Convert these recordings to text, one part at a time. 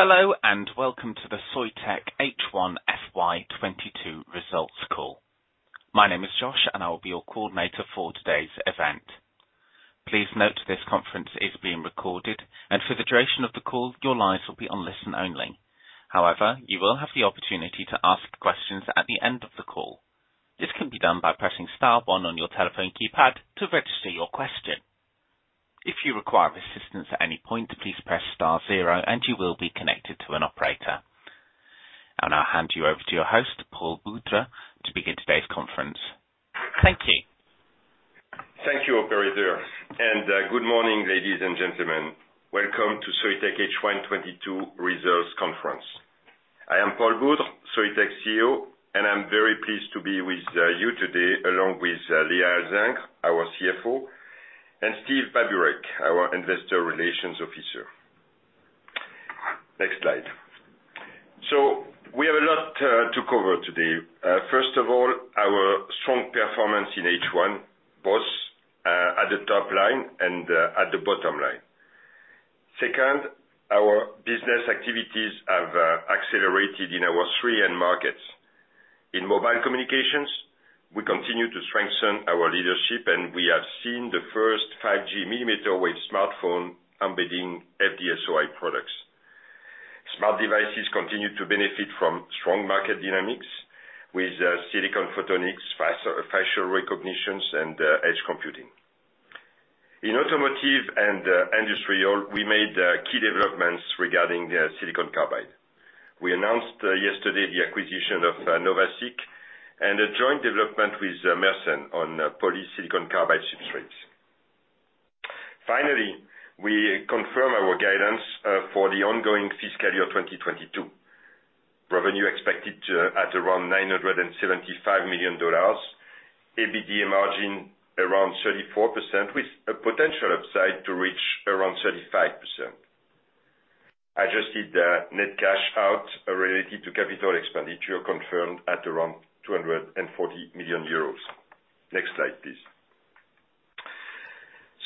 Hello, and welcome to the Soitec H1 FY 2022 results call. My name is Josh, and I will be your coordinator for today's event. Please note this conference is being recorded, and for the duration of the call, your lines will be on listen-only. However, you will have the opportunity to ask questions at the end of the call. This can be done by pressing star one on your telephone keypad to register your question. If you require assistance at any point, please press star zero and you will be connected to an operator. I'll now hand you over to your host, Paul Boudre, to begin today's conference. Thank you. Thank you, operator. Good morning, ladies and gentlemen. Welcome to Soitec H1 2022 results conference. I am Paul Boudre, Soitec's CEO, and I'm very pleased to be with you today along with Léa Alzingre, our CFO, and Steve Babureck, our Investor Relations Officer. Next slide. We have a lot to cover today. First of all, our strong performance in H1, both at the top line and at the bottom line. Second, our business activities have accelerated in our three end markets. In mobile communications, we continue to strengthen our leadership, and we have seen the first 5G millimeter-wave smartphone embedding FDSOI products. Smart devices continue to benefit from strong market dynamics with silicon photonics, facial recognition and edge computing. In automotive and industrial, we made key developments regarding the silicon carbide. We announced yesterday the acquisition of NOVASiC and a joint development with Mersen on polysilicon carbide substrates. Finally, we confirm our guidance for the ongoing fiscal year 2022. Revenue expected to be at around $975 million. EBITDA margin around 34% with a potential upside to reach around 35%. Adjusted net cash out related to capital expenditure confirmed at around 240 million euros. Next slide, please.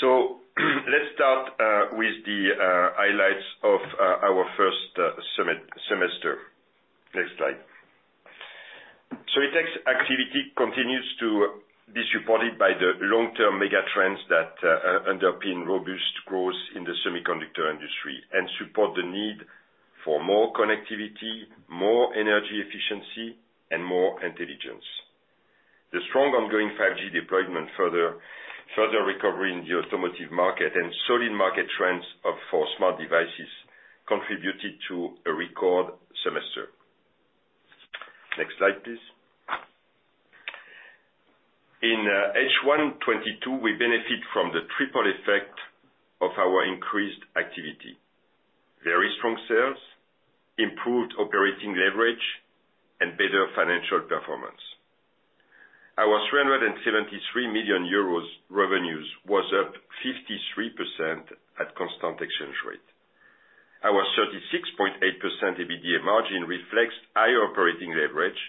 Let's start with the highlights of our first semester. Next slide. Soitec's activity continues to be supported by the long-term megatrends that underpin robust growth in the semiconductor industry and support the need for more connectivity, more energy efficiency and more intelligence. The strong ongoing 5G deployment, further recovery in the automotive market and solid market trends for smart devices contributed to a record semester. Next slide, please. In H1 2022, we benefit from the triple effect of our increased activity. Very strong sales, improved operating leverage and better financial performance. Our 373 million euros revenues was up 53% at constant exchange rate. Our 36.8% EBITDA margin reflects higher operating leverage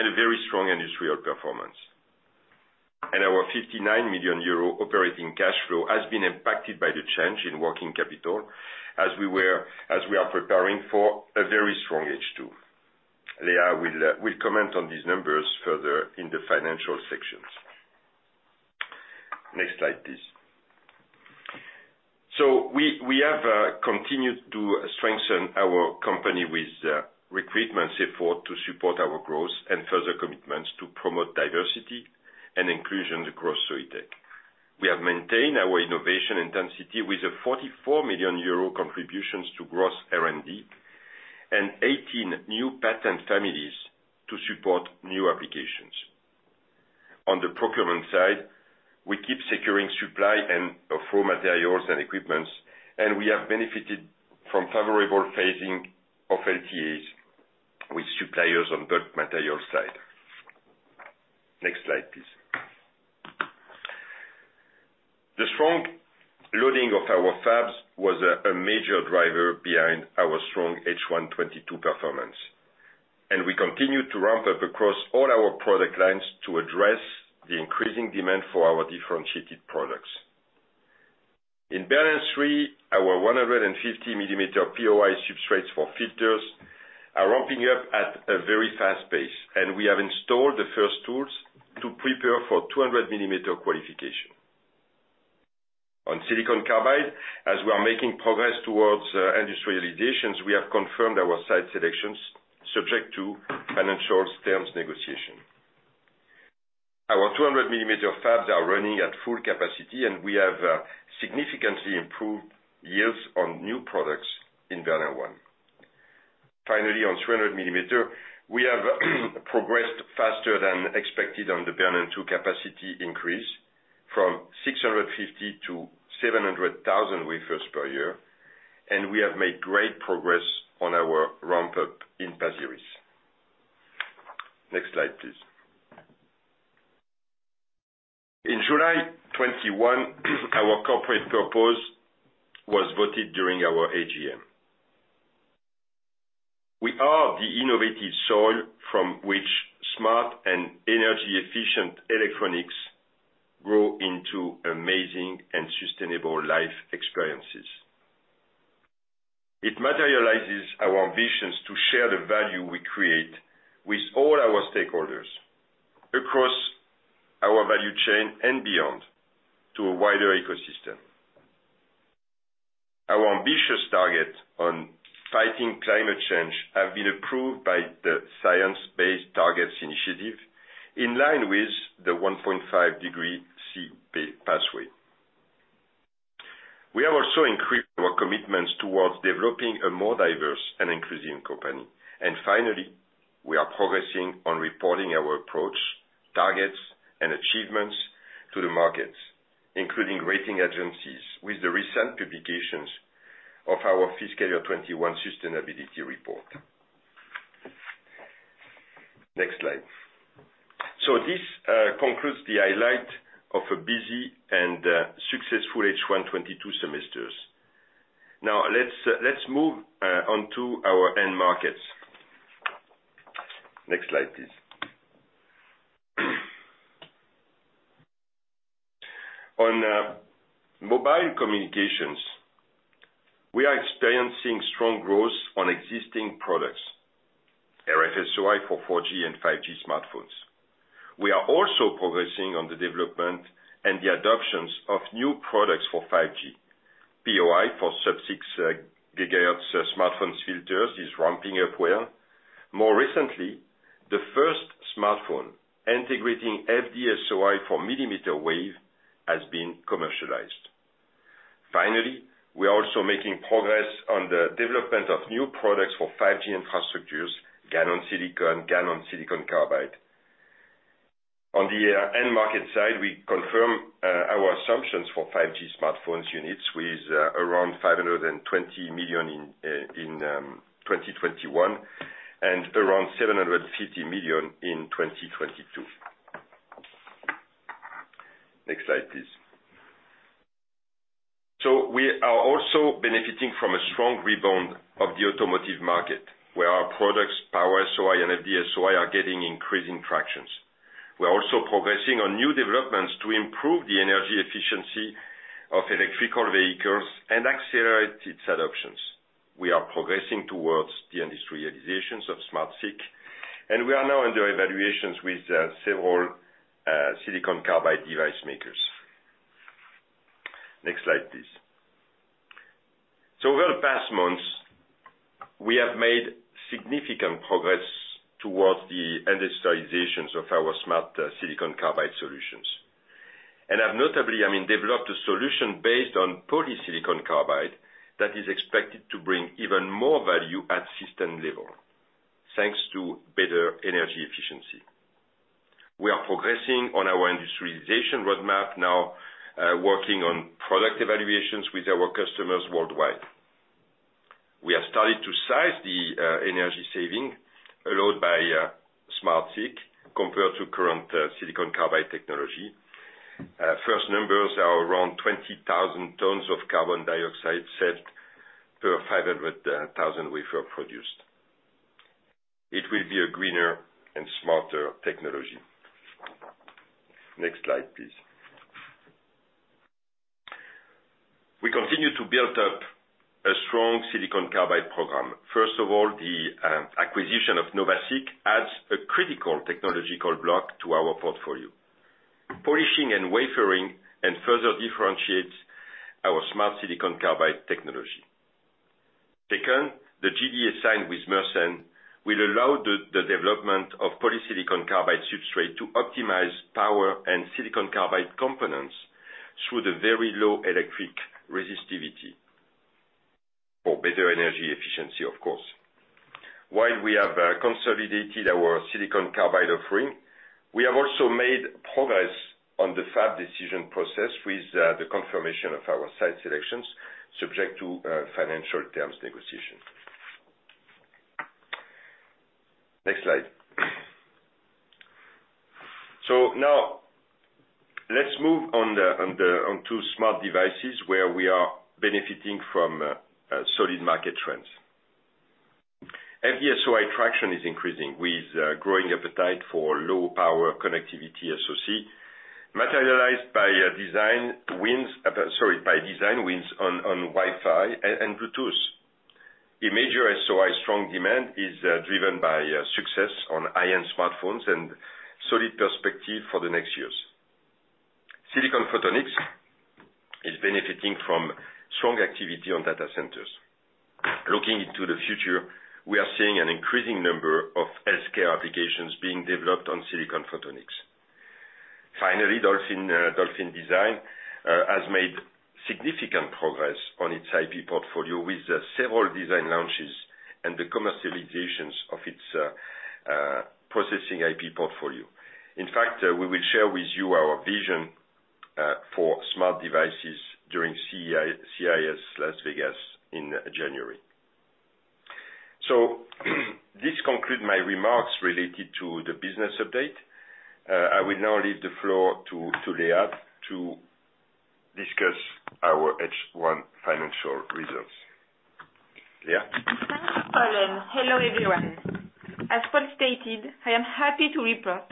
and a very strong industrial performance. Our 59 million euro operating cash flow has been impacted by the change in working capital as we are preparing for a very strong H2. Léa will comment on these numbers further in the financial sections. Next slide, please. We have continued to strengthen our company with recruitment support to support our growth and further commitments to promote diversity and inclusion across Soitec. We have maintained our innovation intensity with 44 million euro contributions to gross R&D and 18 new patent families to support new applications. On the procurement side, we keep securing supply and raw materials and equipment, and we have benefited from favorable phasing of LTAs with suppliers on bulk material side. Next slide, please. The strong loading of our fabs was a major driver behind our strong H1 2022 performance. We continue to ramp up across all our product lines to address the increasing demand for our differentiated products. In Bernin 3, our 150 mm POI substrates for filters are ramping up at a very fast pace, and we have installed the first tools to prepare for 200 mm qualification. On silicon carbide, as we are making progress towards industrialization, we have confirmed our site selection subject to financial terms negotiation. Our 200 mm fabs are running at full capacity, and we have significantly improved yields on new products in Bernin 1. Finally, on 300 mm, we have progressed faster than expected on the Bernin 2 capacity increase from 650,000 to 700,000 wafers per year, and we have made great progress on our ramp-up in Pasir Ris. Next slide, please. In July 2021, our corporate purpose was voted during our AGM. We are the innovative soil from which smart and energy-efficient electronics grow into amazing and sustainable life experiences. It materializes our ambitions to share the value we create with all our stakeholders across our value chain and beyond to a wider ecosystem. Our ambitious target on fighting climate change have been approved by the Science Based Targets initiative, in line with the 1.5-degree C pathway. We have also increased our commitments towards developing a more diverse and inclusive company. Finally, we are progressing on reporting our approach, targets, and achievements to the markets, including rating agencies, with the recent publications of our fiscal 2021 sustainability report. Next slide. This concludes the highlight of a busy and successful H1 2022 semesters. Now let's move on to our end markets. Next slide, please. On mobile communications, we are experiencing strong growth on existing products, RFSOI for 4G and 5G smartphones. We are also progressing on the development and the adoptions of new products for 5G. POI for sub-6 GHz smartphone filters is ramping up well. More recently, the first smartphone integrating FDSOI for millimeter wave has been commercialized. Finally, we are also making progress on the development of new products for 5G infrastructures, GaN-on-Si, GaN-on-SiC. On the end market side, we confirm our assumptions for 5G smartphones units with around 520 million in 2021 and around 750 million in 2022. Next slide, please. We are also benefiting from a strong rebound of the automotive market, where our products, Power-SOI and FDSOI, are getting increasing traction. We are also progressing on new developments to improve the energy efficiency of electric vehicles and accelerate its adoption. We are progressing towards the industrialization of SmartSiC, and we are now under evaluations with several silicon carbide device makers. Next slide, please. Over the past months, we have made significant progress towards the industrialization of our SmartSiC solutions. We have notably, I mean, developed a solution based on polysilicon carbide that is expected to bring even more value at system level, thanks to better energy efficiency. We are progressing on our industrialization roadmap now, working on product evaluations with our customers worldwide. We have started to size the energy saving allowed by SmartSiC compared to current silicon carbide technology. First numbers are around 20,000 tons of carbon dioxide saved per 500,000 wafers produced. It will be a greener and smarter technology. Next slide, please. We continue to build up a strong silicon carbide program. First of all, acquisition of NOVASiC adds a critical technological block to our portfolio. Polishing and wafering further differentiates our smart silicon carbide technology. Second, the JDA signed with Mersen will allow the development of polysilicon carbide substrate to optimize power and silicon carbide components through the very low electric resistivity for better energy efficiency, of course. While we have consolidated our silicon carbide offering, we have also made progress on the fab decision process with the confirmation of our site selections subject to financial terms negotiation. Next slide. Now let's move onto smart devices where we are benefiting from solid market trends. FDSOI traction is increasing with growing appetite for low power connectivity SoC, materialized by design wins on Wi-Fi and Bluetooth. A major SOI strong demand is driven by success on high-end smartphones and solid perspective for the next years. Silicon Photonics is benefiting from strong activity on data centers. Looking into the future, we are seeing an increasing number of healthcare applications being developed on Silicon Photonics. Finally, Dolphin Design has made significant progress on its IP portfolio with several design launches and the commercializations of its processing IP portfolio. In fact, we will share with you our vision for smart devices during CES Las Vegas in January. This conclude my remarks related to the business update. I will now leave the floor to Léa to hand over the financial results. Léa? Thank you, Paul, and hello everyone. As Paul stated, I am happy to report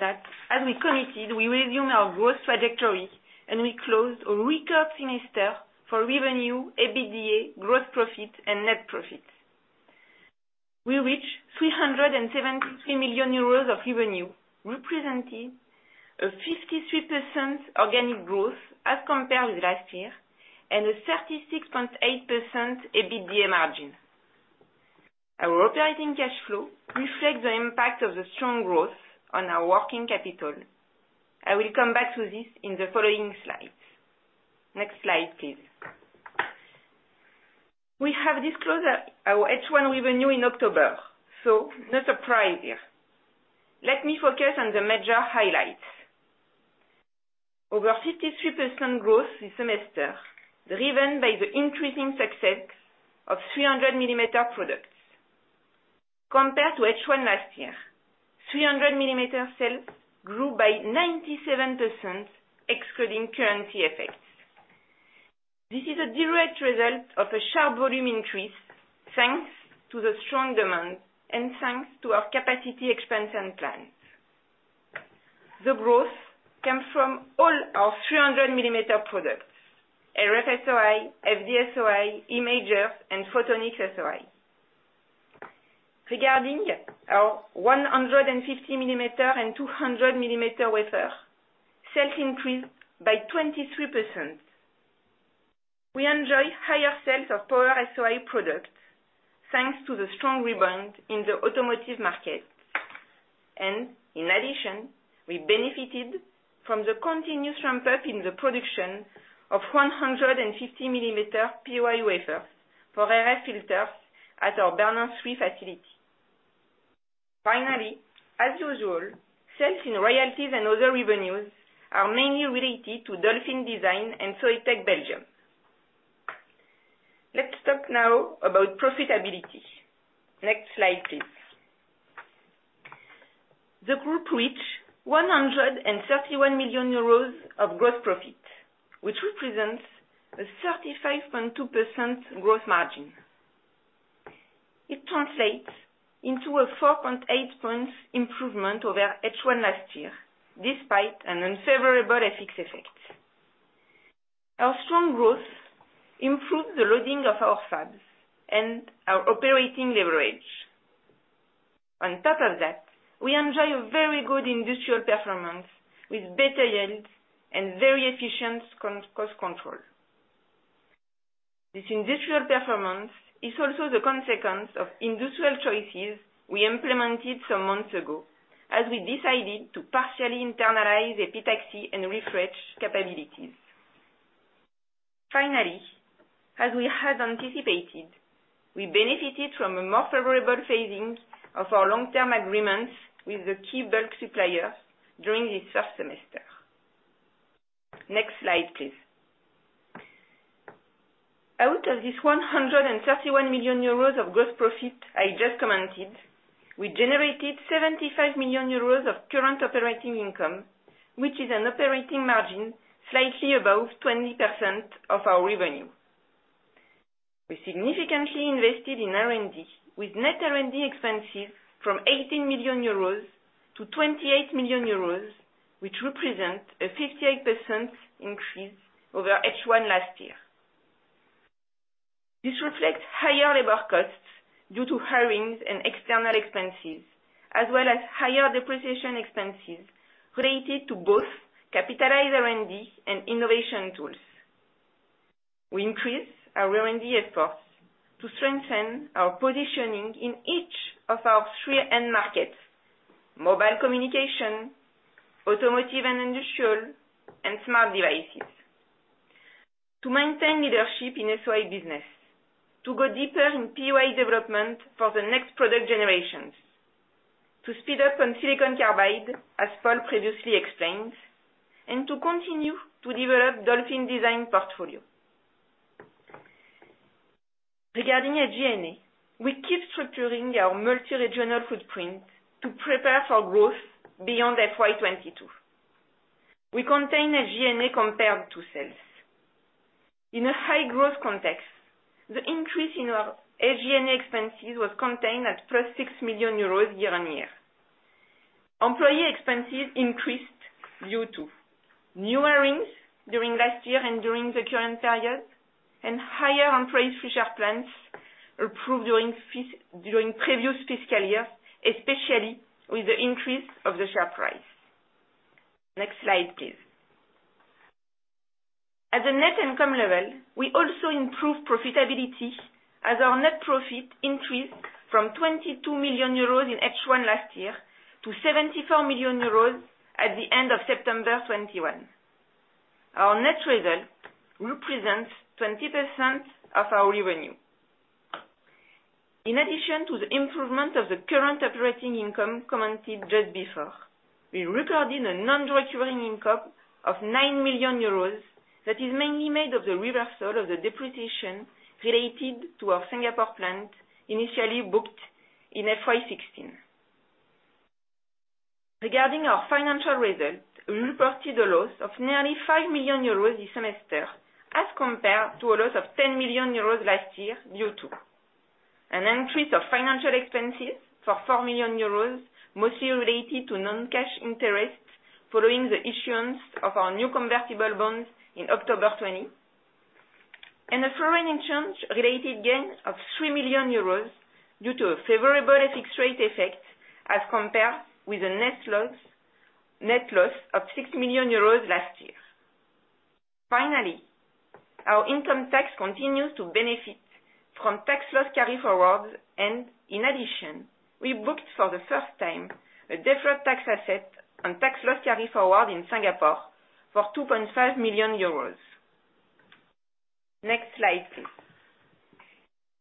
that as we committed, we resume our growth trajectory, and we closed a record semester for revenue, EBITDA, gross profit and net profit. We reached 373 million euros of revenue, representing a 53% organic growth as compared with last year, and a 36.8% EBITDA margin. Our operating cash flow reflects the impact of the strong growth on our working capital. I will come back to this in the following slides. Next slide, please. We have disclosed our H1 revenue in October, so no surprise here. Let me focus on the major highlights. Over 53% growth this semester, driven by the increasing success of 300 millimeter products. Compared to H1 last year, 300 millimeter sales grew by 97%, excluding currency effects. This is a direct result of a sharp volume increase, thanks to the strong demand and thanks to our capacity expansion plans. The growth came from all our 300 millimeter products, RF SOI, FDSOI, imagers and photonics SOI. Regarding our 150 millimeter and 200 millimeter wafer, sales increased by 23%. We enjoy higher sales of power SOI products, thanks to the strong rebound in the automotive market. In addition, we benefited from the continuous ramp-up in the production of 150 millimeter POI wafers for RF filters at our Bernin 3 facility. Finally, as usual, sales in royalties and other revenues are mainly related to Dolphin Design and Soitec Belgium. Let's talk now about profitability. Next slide, please. The group reached 131 million euros of gross profit, which represents a 35.2% gross margin. It translates into a 4.8-point improvement over H1 last year, despite an unfavorable FX effect. Our strong growth improved the loading of our fabs and our operating leverage. On top of that, we enjoy a very good industrial performance with better yields and very efficient cost control. This industrial performance is also the consequence of industrial choices we implemented some months ago, as we decided to partially internalize epitaxy and research capabilities. Finally, as we had anticipated, we benefited from a more favorable phasing of our long-term agreements with the key bulk suppliers during this first semester. Next slide, please. Out of this 131 million euros of gross profit I just commented, we generated 75 million euros of current operating income, which is an operating margin slightly above 20% of our revenue. We significantly invested in R&D with net R&D expenses from 18 million euros to 28 million euros, which represent a 58% increase over H1 last year. This reflects higher labor costs due to hirings and external expenses, as well as higher depreciation expenses related to both capitalized R&D and innovation tools. We increased our R&D efforts to strengthen our positioning in each of our three end markets: mobile communication, automotive and industrial, and smart devices. To maintain leadership in SOI business, to go deeper in POI development for the next product generations, to speed up on silicon carbide, as Paul previously explained, and to continue to develop Dolphin Design portfolio. Regarding SG&A, we keep structuring our multi-regional footprint to prepare for growth beyond FY 2022. We contain SG&A compared to sales. In a high growth context, the increase in our SG&A expenses was contained at +6 million euros year-on-year. Employee expenses increased due to new hirings during last year and during the current period, and higher share-based compensation plans approved during previous fiscal year, especially with the increase of the share price. Next slide, please. At the net income level, we also improved profitability as our net profit increased from 22 million euros in H1 last year to 74 million euros at the end of September 2021. Our net result represents 20% of our revenue. In addition to the improvement of the current operating income commented just before, we recorded a non-recurring income of 9 million euros that is mainly made of the reversal of the depreciation related to our Singapore plant, initially booked in FY 2016. Regarding our financial results, we reported a loss of nearly 5 million euros this semester as compared to a loss of 10 million euros last year due to an increase of financial expenses for 4 million euros, mostly related to non-cash interest following the issuance of our new convertible bonds in October 2020, and a foreign exchange related gain of 3 million euros due to a favorable FX rate effect as compared with the net loss of 6 million euros last year. Finally, our income tax continues to benefit from tax loss carry-forwards, and in addition, we booked for the first time a deferred tax asset on tax loss carry-forward in Singapore for 2.5 million euros. Next slide, please.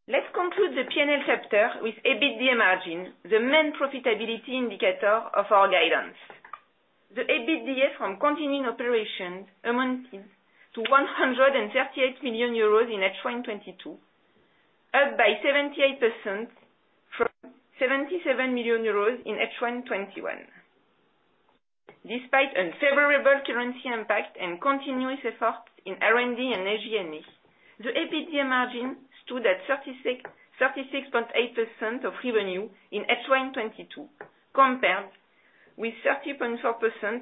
Let's conclude the P&L chapter with EBITDA margin, the main profitability indicator of our guidance. The EBITDA from continuing operations amounted to 138 million euros in H1 2022, up by 78% from 77 million euros in H1 2021. Despite unfavorable currency impact and continuous effort in R&D and SG&A, the EBITDA margin stood at 36.8% of revenue in H1 2022, compared with 30.4%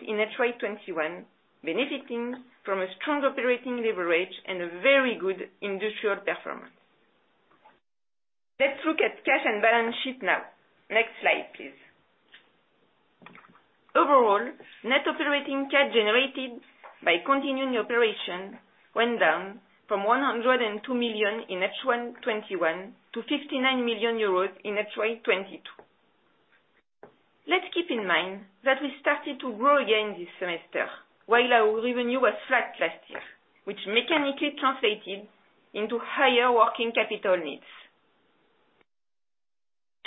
in H1 2021, benefiting from a strong operating leverage and a very good industrial performance. Let's look at cash and balance sheet now. Next slide, please. Overall, net operating cash generated by continuing operations went down from 102 million in H1 2021 to 59 million euros in H1 2022. Let's keep in mind that we started to grow again this semester, while our revenue was flat last year, which mechanically translated into higher working capital needs.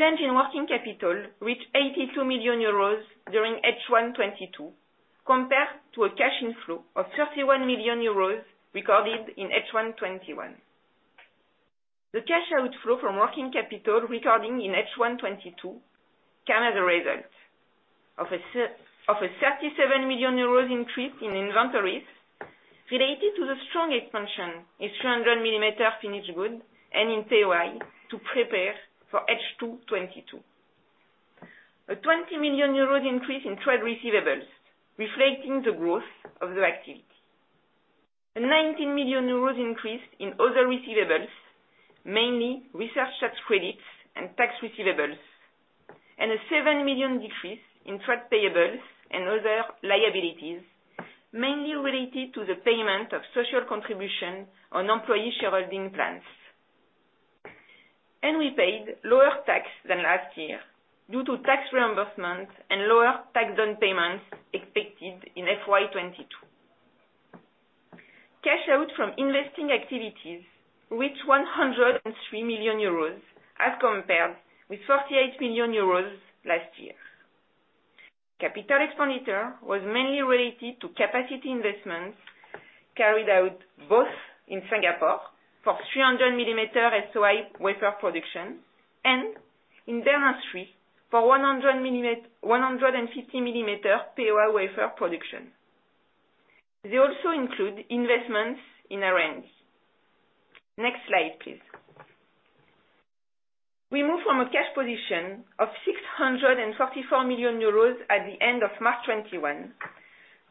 Change in working capital reached 82 million euros during H1 2022, compared to a cash inflow of 31 million euros recorded in H1 2021. The cash outflow from working capital recorded in H1 2022 came as a result of a 37 million euros increase in inventories related to the strong expansion in 300 mm finished goods and in POI to prepare for H2 2022. A 20 million euros increase in trade receivables, reflecting the growth of the activity. A 19 million euros increase in other receivables, mainly research tax credits and tax receivables, and a 7 million decrease in trade payables and other liabilities, mainly related to the payment of social contribution on employee shareholding plans. We paid lower tax than last year due to tax reimbursement and lower tax down payments expected in FY 2022. Cash outflows from investing activities reached 103 million euros as compared with 48 million euros last year. Capital expenditure was mainly related to capacity investments carried out both in Singapore for 300-millimeter SOI wafer production and in Bernin for 150-millimeter POI wafer production. They also include investments in R&D. Next slide, please. We moved from a cash position of 644 million euros at the end of March 2021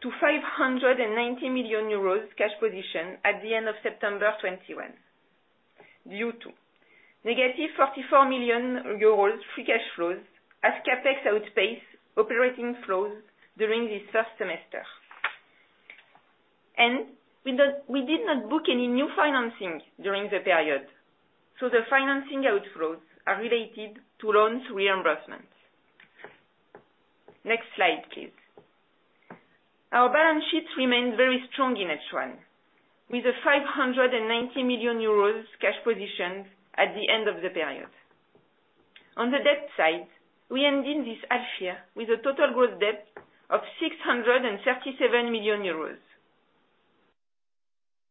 to 590 million euros cash position at the end of September 2021, due to negative 44 million euros free cash flows as CapEx outpace operating flows during this first semester. We did not book any new financing during the period, so the financing outflows are related to loans reimbursements. Next slide, please. Our balance sheet remained very strong in H1, with a 590 million euros cash position at the end of the period. On the debt side, we end in this half year with a total gross debt of 637 million euros.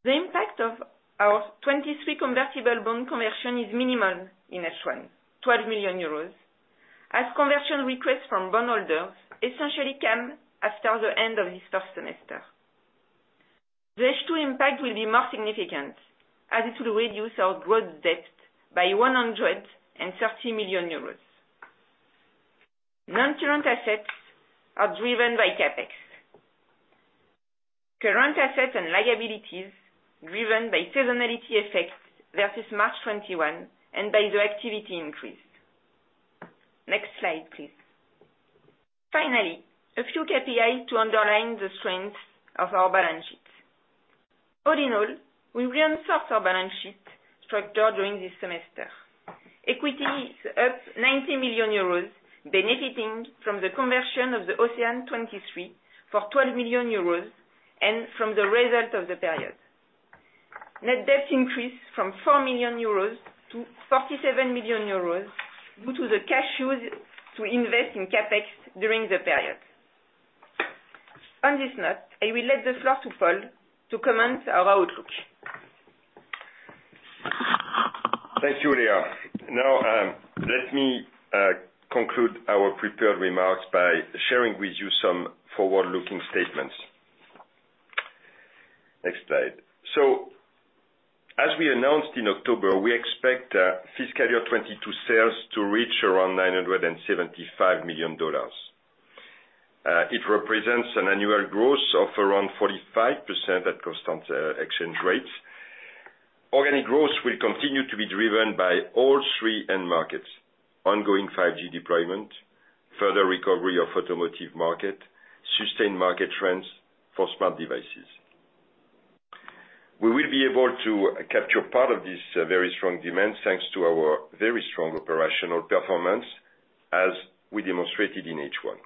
The impact of our OCEANE 2023 convertible bond conversion is minimal in H1, 12 million euros, as conversion requests from bondholders essentially came after the end of this first semester. The H2 impact will be more significant, as it will reduce our gross debt by 130 million euros. Non-current assets are driven by CapEx. Current assets and liabilities driven by seasonality effects versus March 2021 and by the activity increase. Next slide, please. Finally, a few KPIs to underline the strength of our balance sheet. All in all, we reinforced our balance sheet structure during this semester. Equity is up 90 million euros, benefiting from the conversion of the OCEANE 2023 for 12 million euros and from the result of the period. Net debt increased from 4 million euros to 47 million euros due to the cash used to invest in CapEx during the period. On this note, I will give the floor to Paul to comment on our outlook. Thanks, Léa. Now, let me conclude our prepared remarks by sharing with you some forward-looking statements. Next slide. As we announced in October, we expect fiscal year 2022 sales to reach around $975 million. It represents an annual growth of around 45% at constant exchange rates. Organic growth will continue to be driven by all three end markets: ongoing 5G deployment, further recovery of automotive market, sustained market trends for smart devices. We will be able to capture part of this very strong demand, thanks to our very strong operational performance as we demonstrated in H1.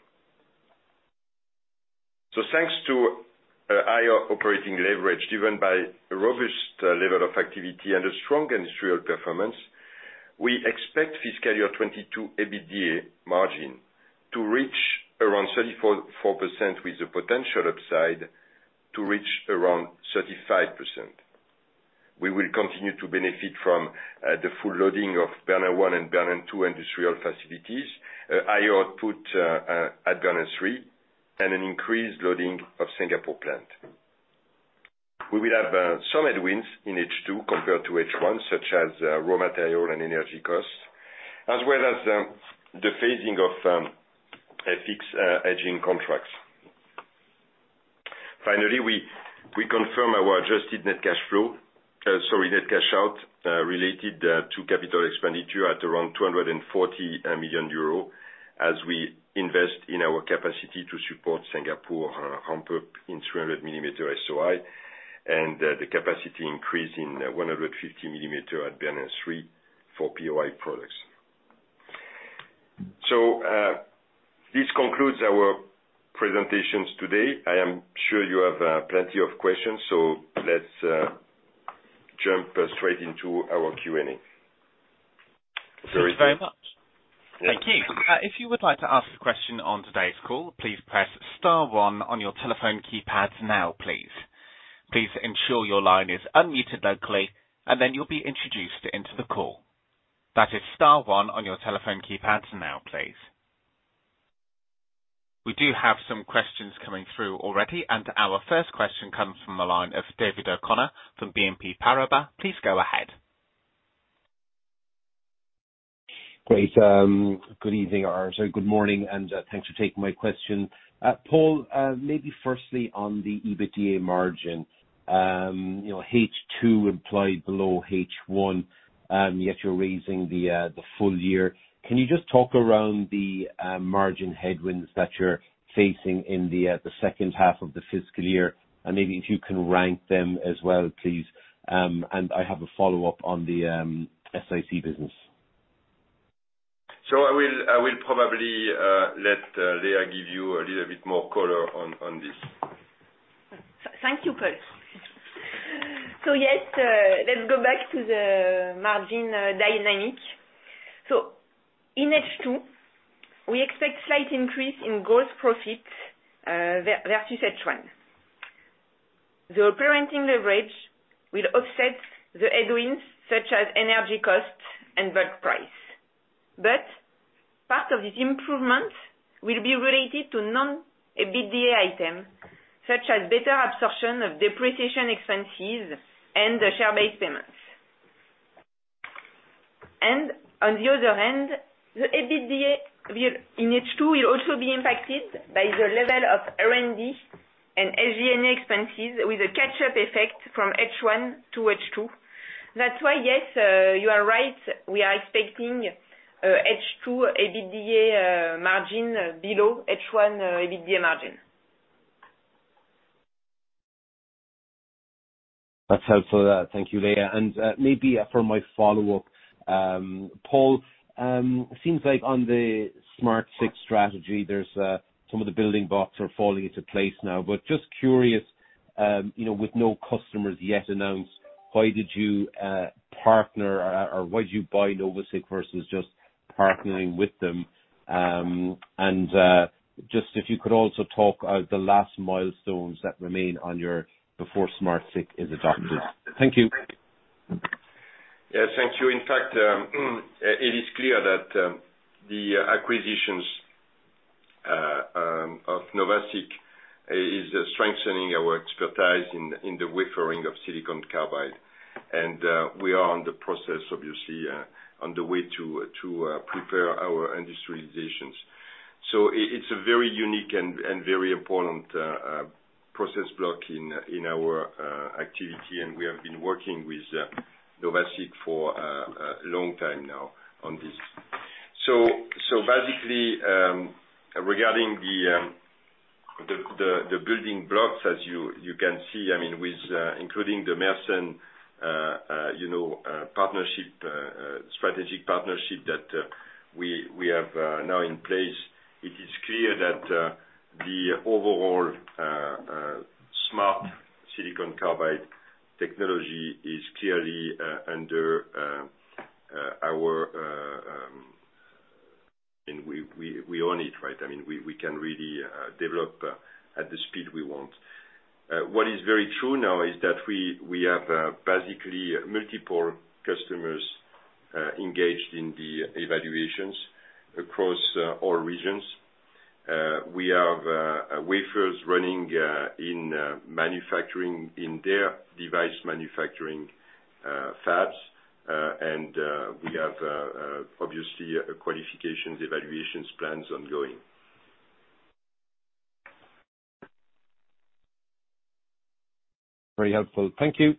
Thanks to a higher operating leverage, driven by a robust level of activity and a strong industrial performance, we expect fiscal year 2022 EBITDA margin to reach around 34.4% with the potential upside to reach around 35%. We will continue to benefit from the full loading of Bernin 1 and Bernin 2 industrial facilities, higher output at Bernin 3, and an increased loading of Singapore plant. We will have some headwinds in H2 compared to H1, such as raw material and energy costs, as well as the phasing of FX hedging contracts. Finally, we confirm our net cash out related to capital expenditure at around 240 million euro as we invest in our capacity to support Singapore ramp-up in 300 millimeter SOI and the capacity increase in 150 millimeter at Bernin 3 for POI products. This concludes our presentations today. I am sure you have plenty of questions. Let's jump straight into our Q&A. Thank you very much. Thank you. If you would like to ask a question on today's call, please press star one on your telephone keypads now, please. Please ensure your line is unmuted locally, and then you'll be introduced into the call. That is star one on your telephone keypads now, please. We do have some questions coming through already, and our first question comes from the line of David O'Connor from BNP Paribas. Please go ahead. Great. Good evening, or sorry, good morning, and thanks for taking my question. Paul, maybe firstly on the EBITDA margin. You know, H2 implied below H1, yet you're raising the full year. Can you just talk around the margin headwinds that you're facing in the H2 of the fiscal year? Maybe if you can rank them as well, please. I have a follow-up on the SiC business. I will probably let Léa give you a little bit more color on this. Thank you, Paul. Yes, let's go back to the margin dynamic. In H2, we expect slight increase in gross profit versus H1. The operating leverage will offset the headwinds such as energy costs and bulk price. Part of this improvement will be related to non-EBITDA items such as better absorption of depreciation expenses and the share-based payments. On the other hand, the EBITDA in H2 will also be impacted by the level of R&D and SG&A expenses with a catch-up effect from H1 to H2. That's why, yes, you are right. We are expecting H2 EBITDA margin below H1 EBITDA margin. That's helpful. Thank you, Léa. Maybe for my follow-up, Paul, seems like on the SmartSiC strategy, there's some of the building blocks are falling into place now. Just curious, you know, with no customers yet announced, why'd you buy NOVASiC versus just partnering with them? Just if you could also talk the last milestones that remain on your before SmartSiC is adopted. Thank you. Yes, thank you. In fact, it is clear that the acquisitions of NOVASiC is strengthening our expertise in the wafering of silicon carbide. We are in the process, obviously, on the way to prepare our industrializations. It's a very unique and very important process block in our activity, and we have been working with NOVASiC for a long time now on this. Basically, regarding the building blocks, as you can see, I mean, with including the Mersen, you know, strategic partnership that we have now in place, it is clear that the overall smart silicon carbide technology is clearly under our, and we own it, right? I mean, we can really develop at the speed we want. What is very true now is that we have basically multiple customers engaged in the evaluations across all regions. We have wafers running in manufacturing in their device manufacturing fabs. We have obviously qualifications evaluations plans ongoing. Very helpful. Thank you.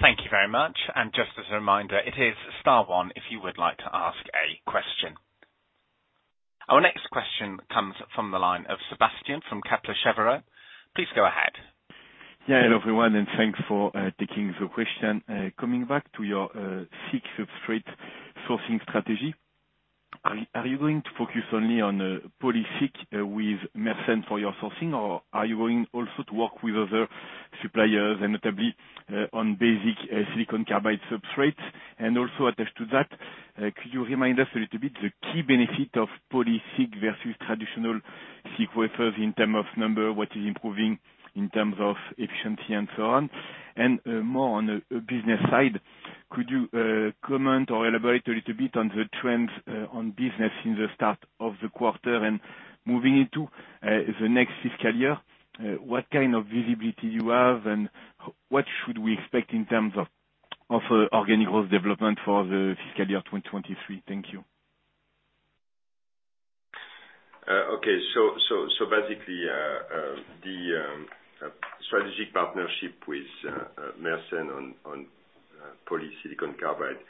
Thank you very much. Just as a reminder, it is star one if you would like to ask a question. Our next question comes from the line of Sébastien from Kepler Cheuvreux. Please go ahead. Hello everyone, and thanks for taking the question. Coming back to your SiC substrate sourcing strategy. Are you going to focus only on poly-SiC with Mersen for your sourcing? Or are you going also to work with other suppliers and notably on basic silicon carbide substrates? Also attached to that, could you remind us a little bit the key benefit of poly-SiC versus traditional SiC wafers in terms of performance, what is improving in terms of efficiency and so on? More on the business side, could you comment or elaborate a little bit on the trends on business in the start of the quarter and moving into the next fiscal year? What kind of visibility do you have, and what should we expect in terms of organic growth development for the fiscal year 2023? Thank you. Okay. Basically, the strategic partnership with Mersen on polysilicon carbide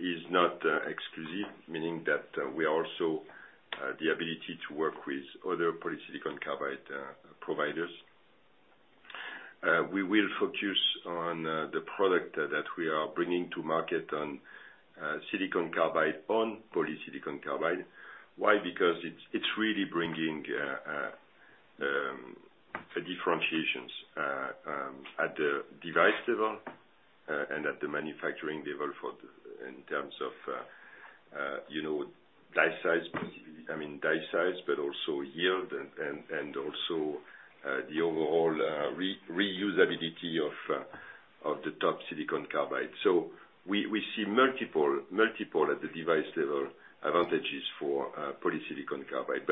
is not exclusive. Meaning that we also have the ability to work with other polysilicon carbide providers. We will focus on the product that we are bringing to market on silicon carbide, on polysilicon carbide. Why? Because it's really bringing differentiations at the device level and at the manufacturing level in terms of, you know, die size, I mean, die size, but also yield and also the overall reusability of the top silicon carbide. We see multiple at the device level advantages for polysilicon carbide.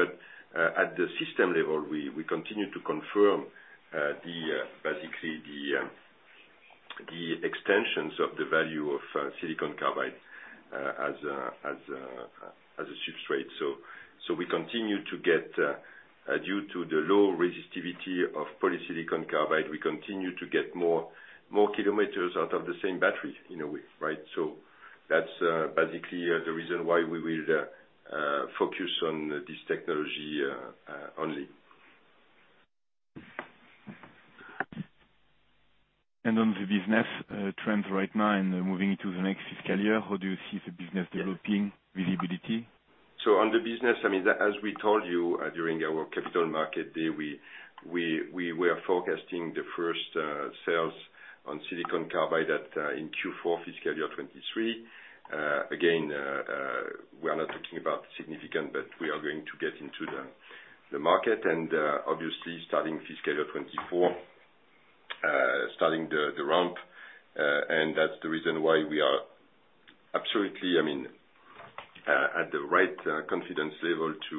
At the system level, we continue to confirm basically the extensions of the value of silicon carbide as a substrate. We continue to get, due to the low resistivity of polysilicon carbide, more kilometers out of the same battery, in a way, right? That's basically the reason why we will focus on this technology only. On the business, trends right now and moving into the next fiscal year, how do you see the business developing visibility? On the business, I mean, as we told you during our Capital Markets Day, we were forecasting the first sales on silicon carbide at in Q4 FY 2023. Again, we are not talking about significant, but we are going to get into the market. Obviously, starting FY 2024, starting the ramp. That's the reason why we are absolutely, I mean, at the right confidence level to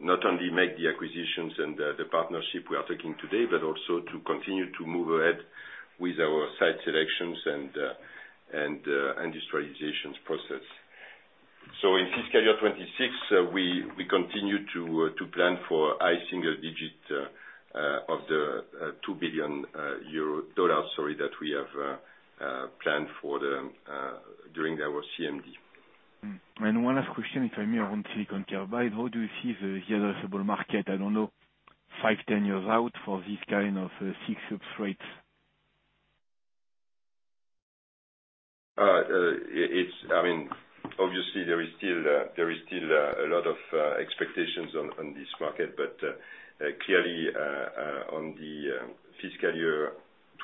not only make the acquisitions and the partnership we are taking today, but also to continue to move ahead with our site selections and industrializations process. In FY 2026, we continue to plan for high single-digit % of the EUR 2 billion that we have planned for during our CMD. One last question, if I may, on silicon carbide. How do you see the addressable market, I don't know, 5, 10 years out for this kind of SiC substrates? I mean, obviously there is still a lot of expectations on this market. Clearly, on the fiscal year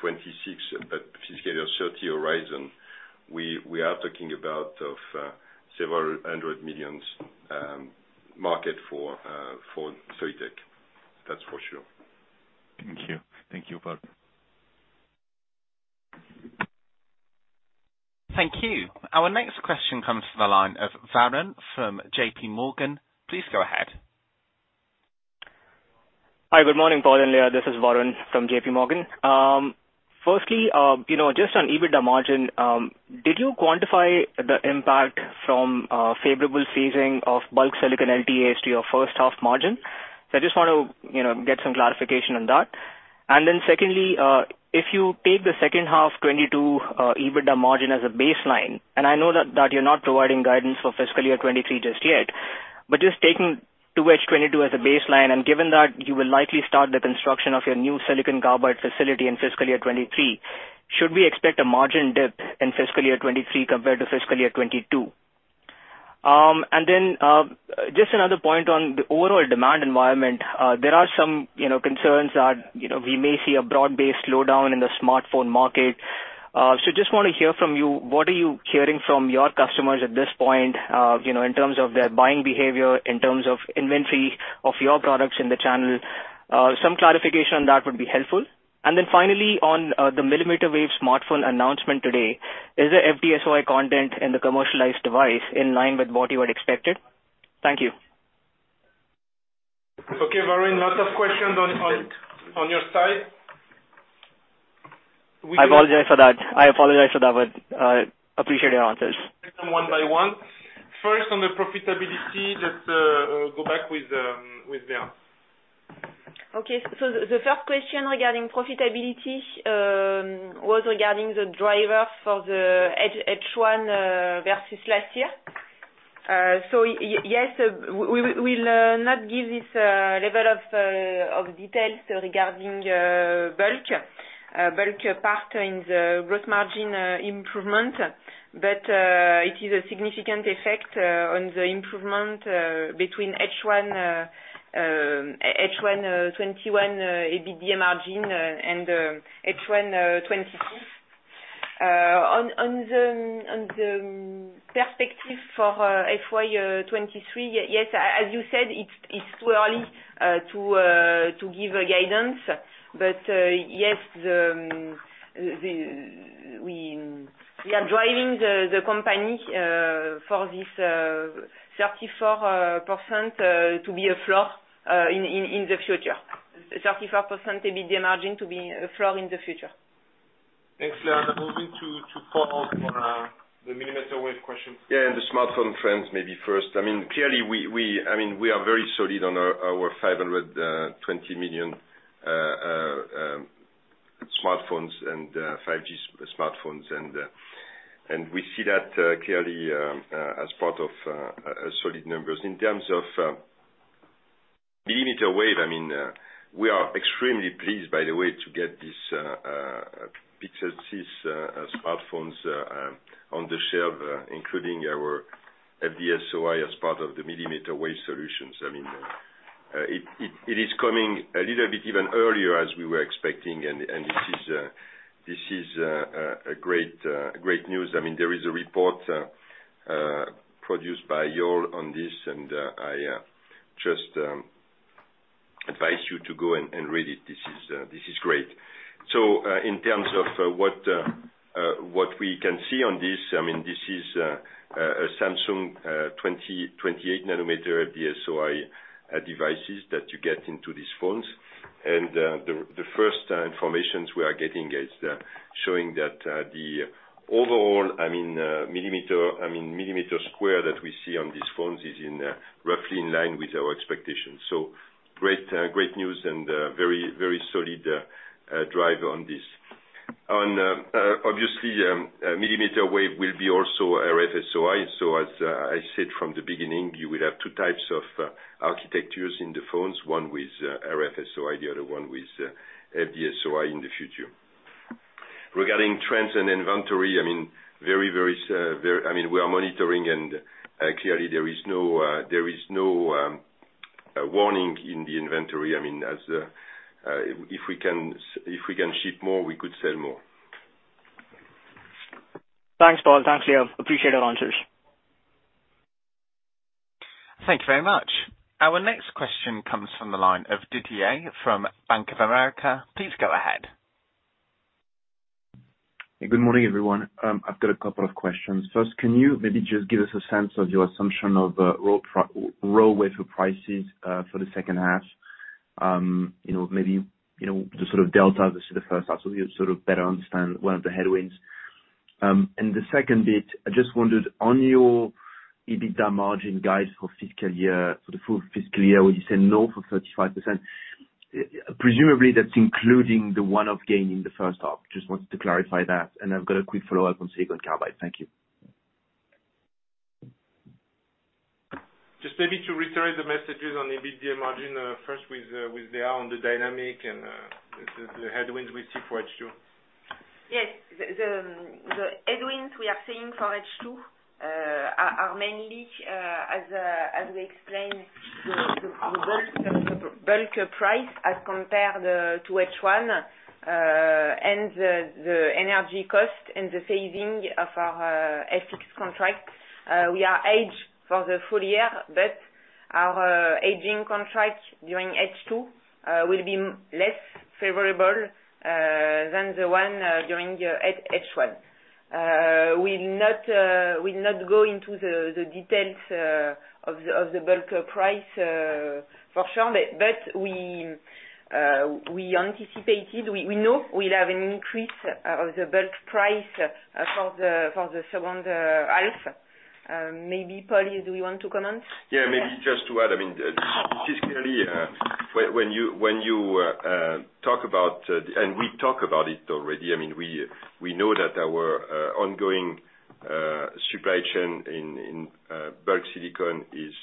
2026, fiscal year 2030 horizon, we are talking about several hundred million EUR market for Soitec. That's for sure. Thank you. Thank you, Paul. Thank you. Our next question comes from the line of Varun from J.P. Morgan. Please go ahead. Hi. Good morning, Paul and Léa. This is Varun from J.P. Morgan. Firstly, you know, just on EBITDA margin, did you quantify the impact from favorable phasing of bulk silicon LTA to your first half margin? I just want to, you know, get some clarification on that. Then secondly, if you take the second half 2022 EBITDA margin as a baseline, and I know that you're not providing guidance for fiscal year 2023 just yet, but just taking 2H 2022 as a baseline, and given that you will likely start the construction of your new silicon carbide facility in fiscal year 2023, should we expect a margin dip in fiscal year 2023 compared to fiscal year 2022? Just another point on the overall demand environment. There are some, you know, concerns that, you know, we may see a broad-based slowdown in the smartphone market. Just wanna hear from you, what are you hearing from your customers at this point, you know, in terms of their buying behavior, in terms of inventory of your products in the channel? Some clarification on that would be helpful. Finally, on the millimeter wave smartphone announcement today, is there FDSOI content in the commercialized device in line with what you had expected? Thank you. Okay, Varun, lots of questions on your side. I apologize for that, but I appreciate your answers. Take them one by one. First on the profitability, let's go back with Léa. Okay. The first question regarding profitability was regarding the drivers for H1 versus last year. Yes, we will not give this level of details regarding bulk part in the gross margin improvement. But it is a significant effect on the improvement between H1 2021 EBITDA margin and H1 2022. On the perspective for FY 2023, yes, as you said, it's too early to give a guidance. Yes, we are driving the company for this 34% to be a floor in the future. 34% EBITDA margin to be a floor in the future. Thanks, Léa. Moving to Paul for the millimeter wave question. Yeah, the smartphone trends maybe first. I mean, clearly we are very solid on our 520 million smartphones and we see that clearly as part of solid numbers. In terms of millimeter wave, I mean, we are extremely pleased, by the way, to get this Pixel 6 smartphones on the shelf, including our FDSOI as part of the millimeter wave solutions. I mean, it is coming a little bit even earlier as we were expecting. This is great news. I mean, there is a report produced by Yole on this, and I just advise you to go and read it. This is great. In terms of what we can see on this, I mean, this is a Samsung 28-nanometer FDSOI devices that you get into these phones. The first information we are getting is showing that the overall, I mean, mm² that we see on these phones is roughly in line with our expectations. Great news and very solid drive on this. Obviously, millimeter wave will be also RFSOI. As I said from the beginning, you will have two types of architectures in the phones, one with RFSOI, the other one with FDSOI in the future. Regarding trends and inventory, I mean, we are monitoring and clearly there is no warning in the inventory. I mean, if we can ship more, we could sell more. Thanks, Paul. Thanks, Léa. I appreciate your answers. Thank you very much. Our next question comes from the line of Didier from Bank of America. Please go ahead. Good morning, everyone. I've got a couple of questions. First, can you maybe just give us a sense of your assumption of roll-off wafer prices for the second half? You know, maybe, you know, the sort of delta versus the first half, so we sort of better understand one of the headwinds. The second bit, I just wondered, on your EBITDA margin guide for fiscal year, for the full fiscal year, would you say north of 35%? Presumably that's including the one-off gain in the H1. Just wanted to clarify that. I've got a quick follow-up on silicon carbide. Thank you. Just maybe to reiterate the messages on EBITDA margin, first with Léa on the dynamic and the headwinds we see for H2. Yes. The headwinds we are seeing for H2 are mainly, as we explained, the bulk price as compared to H1, and the energy cost and the saving of our FX contracts. We are hedged for the full year, but our hedging contracts during H2 will be less favorable than the one during H1. We'll not go into the details of the bulk price, for sure. We anticipated, we know we'll have an increase of the bulk price for the second half. Maybe Paul, do you want to comment? Yeah. Yeah. Maybe just to add, I mean, this is clearly when you talk about and we talk about it already. I mean, we know that our ongoing supply chain in bulk silicon is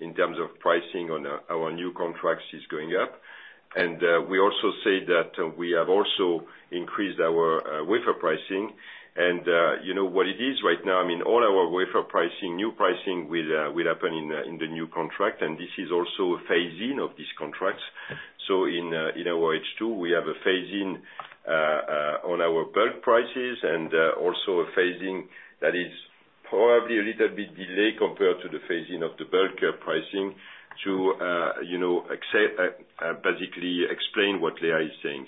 in terms of pricing on our new contracts is going up. We also say that we have also increased our wafer pricing. You know, what it is right now, I mean, all our wafer pricing, new pricing will happen in the new contract, and this is also a phase-in of these contracts. In our H2, we have a phase-in on our bulk prices and also a phasing that is probably a little bit delayed compared to the phase-in of the bulk pricing to you know, accept. Basically explain what Léa is saying.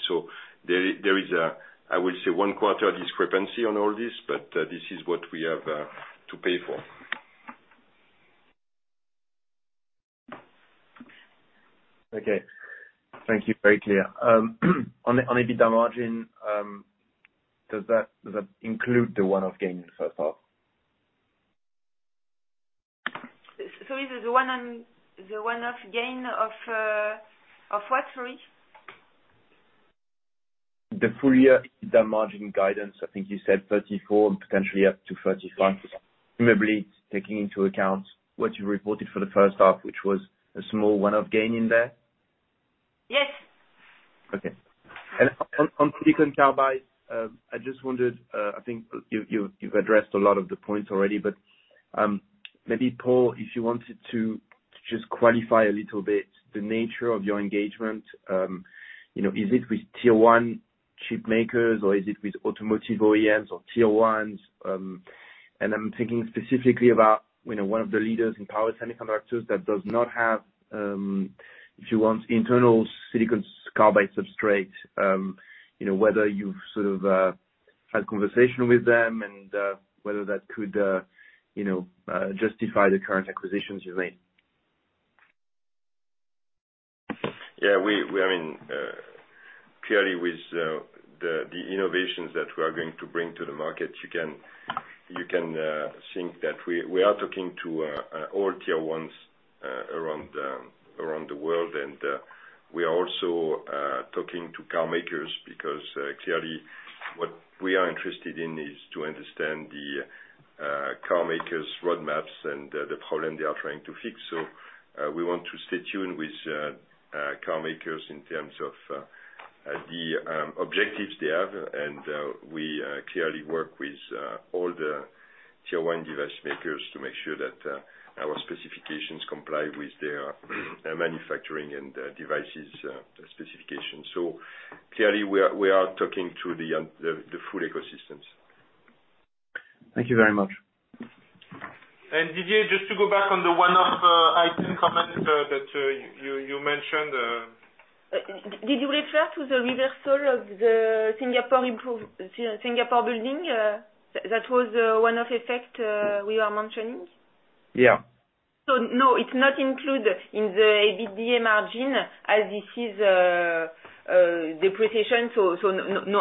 There is a, I will say, one-quarter discrepancy on all this, but this is what we have to pay for. Okay. Thank you. Very clear. On EBITDA margin, does that include the one-off gain in the first half? Is the one-off gain of what, sorry? The full year margin guidance. I think you said 34%, potentially up to 35%, remembering taking into account what you reported for the H1, which was a small one-off gain in there. Yes. Okay. On silicon carbide, I just wondered. I think you've addressed a lot of the points already, but maybe Paul, if you wanted to just qualify a little bit the nature of your engagement. You know, is it with tier one chip makers, or is it with automotive OEMs or tier ones? I'm thinking specifically about, you know, one of the leaders in power semiconductors that does not have internal silicon carbide substrate, you know, whether you've sort of had conversation with them and whether that could, you know, justify the current acquisitions you made. Yeah. We are clearly with the innovations that we are going to bring to the market. You can think that we are talking to all tier ones around the world. We are also talking to car makers because clearly what we are interested in is to understand the car makers' roadmaps and the problem they are trying to fix. We want to stay tuned with car makers in terms of the objectives they have. We clearly work with all the tier one device makers to make sure that our specifications comply with their manufacturing and devices specifications. Clearly we are talking to the full ecosystems. Thank you very much. Didier, just to go back on the one-off item comment that you mentioned. Did you refer to the reversal of the Singapore building? That was one of the effects we are mentioning. Yeah. No, it's not included in the EBITDA margin as this is depreciation, so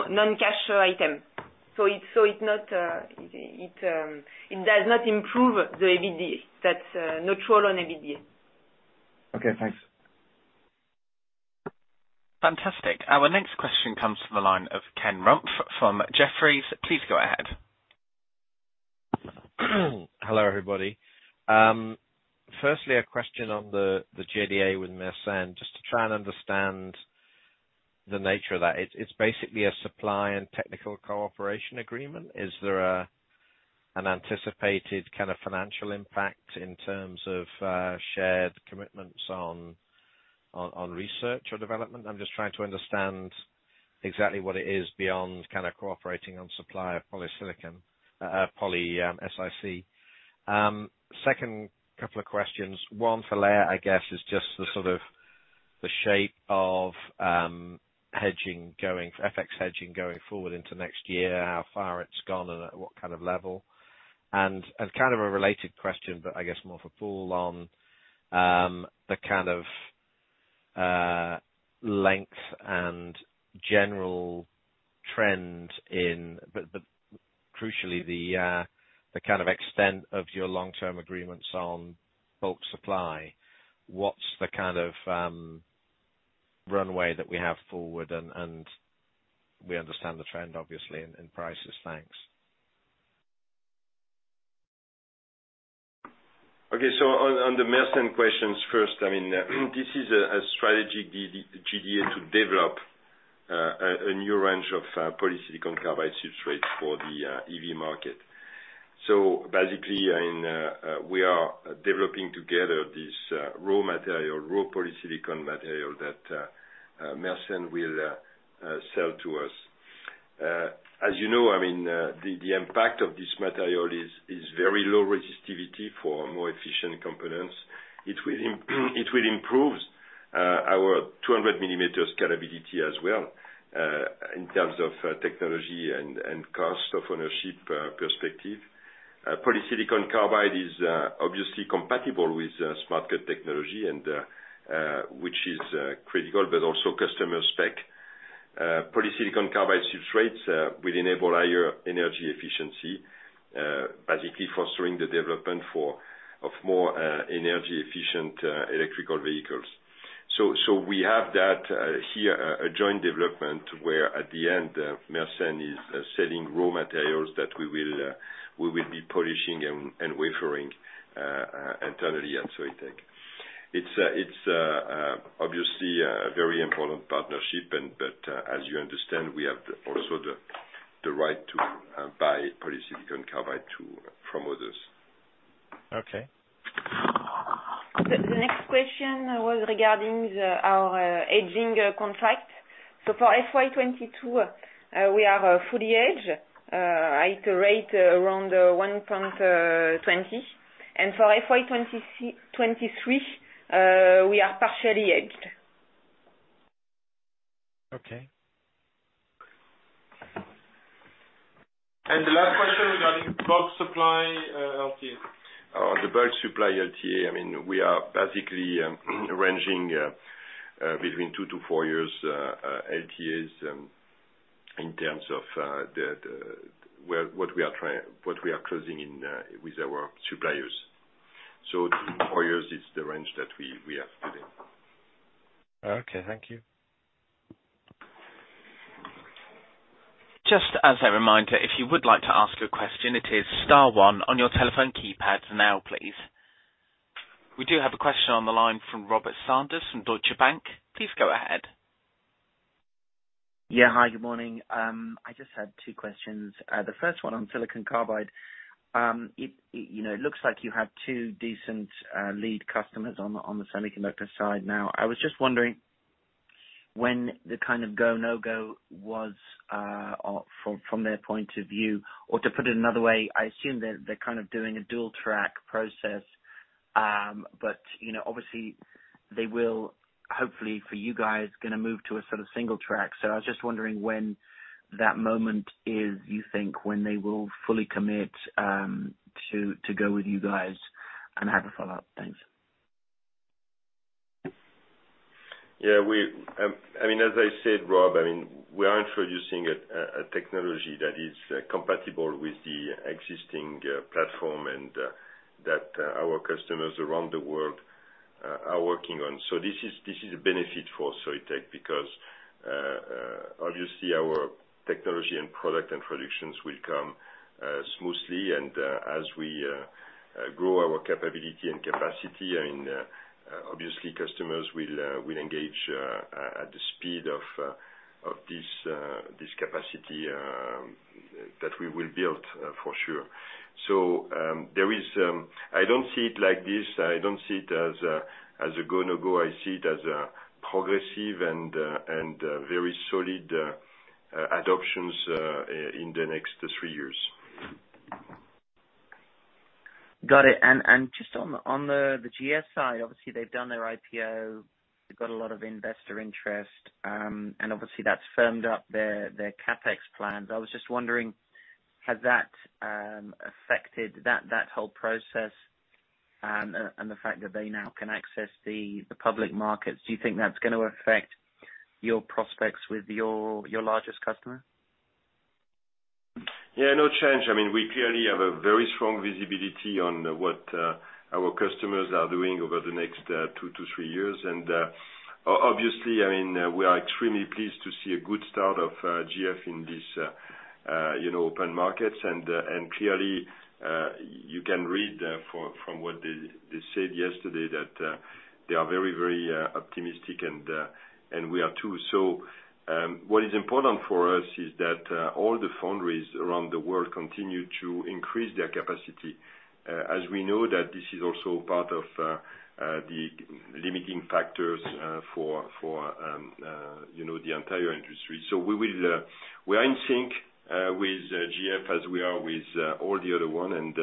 non-cash item. It does not improve the EBITDA. That's neutral on EBITDA. Okay, thanks. Fantastic. Our next question comes from the line of Ken Rumph from Jefferies. Please go ahead. Hello, everybody. Firstly, a question on the JDA with Mersen, just to try and understand the nature of that. It's basically a supply and technical cooperation agreement. Is there an anticipated kind of financial impact in terms of shared commitments on research or development? I'm just trying to understand exactly what it is beyond kind of cooperating on supply of polysilicon, poly-SiC. Second couple of questions. One for Léa, I guess is just the shape of FX hedging going forward into next year, how far it's gone and at what kind of level. And kind of a related question, but I guess more for Paul on the kind of length and general trend in. But crucially the kind of extent of your long-term agreements on bulk supply. What's the kind of runway that we have forward and we understand the trend obviously in prices. Thanks. Okay. On the Mersen questions first, I mean, this is a strategic JDA to develop a new range of polysilicon carbide substrates for the EV market. Basically, I mean, we are developing together this raw polysilicon material that Mersen will sell to us. As you know, I mean, the impact of this material is very low resistivity for more efficient components. It will improve our 200 millimeter scalability as well in terms of technology and cost of ownership perspective. Polysilicon carbide is obviously compatible with SmartCut technology and which is critical, but also customer spec. Polysilicon carbide substrates will enable higher energy efficiency, basically fostering the development of more energy efficient electric vehicles. We have that here, a joint development where at the end, Mersen is selling raw materials that we will be polishing and wafering internally at Soitec. It's obviously a very important partnership, but as you understand, we have also the right to buy polysilicon carbide too from others. Okay. The next question was regarding our hedging contract. For FY 2022, we are fully hedged at a rate around 1.20. For FY 2023, we are partially hedged. Okay. The last question regarding bulk supply, LTAs. The bulk supply LTA, I mean, we are basically ranging between 2-4 years, LTAs, in terms of, well, what we are closing in with our suppliers. 2-4 years is the range that we are today. Okay, thank you. Just as a reminder, if you would like to ask a question, it is star one on your telephone keypads now, please. We do have a question on the line from Robert Sanders from Deutsche Bank. Please go ahead. Yeah. Hi, good morning. I just had two questions. The first one on silicon carbide. It you know looks like you have two decent lead customers on the semiconductor side now. I was just wondering when the kind of go, no-go was from their point of view. Or to put it another way, I assume they're doing a dual track process, but you know, obviously they will, hopefully for you guys, gonna move to a sort of single track. I was just wondering when that moment is, you think, when they will fully commit to go with you guys. And I have a follow-up. Thanks. I mean, as I said, Rob, I mean, we are introducing a technology that is compatible with the existing platform and that our customers around the world are working on. This is a benefit for Soitec because obviously our technology and product introductions will come smoothly and as we grow our capability and capacity, I mean, obviously customers will engage at the speed of this capacity that we will build for sure. I don't see it like this. I don't see it as a go, no-go. I see it as a progressive and very solid adoptions in the next three years. Got it. Just on the GlobalFoundries side, obviously they've done their IPO. They've got a lot of investor interest, and obviously that's firmed up their CapEx plans. I was just wondering, has that affected that whole process, and the fact that they now can access the public markets? Do you think that's gonna affect your prospects with your largest customer? Yeah, no change. I mean, we clearly have a very strong visibility on what our customers are doing over the next two to three years. Obviously, I mean, we are extremely pleased to see a good start of GlobalFoundries in this, you know, open markets. Clearly, you can read from what they said yesterday that they are very optimistic and we are too. What is important for us is that all the foundries around the world continue to increase their capacity as we know that this is also part of the limiting factors for, you know, the entire industry. We are in sync with GlobalFoundries as we are with all the other one.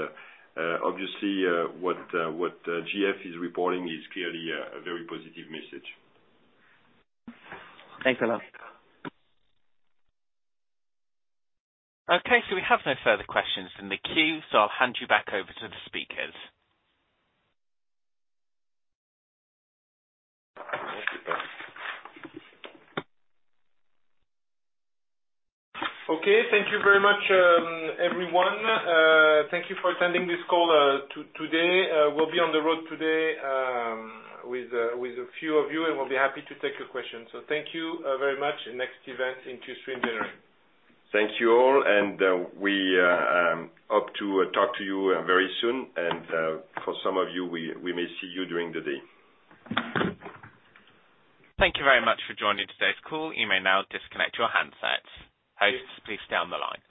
Obviously, what GlobalFoundries is reporting is clearly a very positive message. Thanks a lot. Okay, we have no further questions in the queue, so I'll hand you back over to the speakers. Okay, thank you very much, everyone. Thank you for attending this call today. We'll be on the road today with a few of you, and we'll be happy to take your questions. Thank you very much. Next event in next-generation. Thank you all, and we hope to talk to you very soon. For some of you, we may see you during the day. Thank you very much for joining today's call. You may now disconnect your handsets. Hosts, please stay on the line.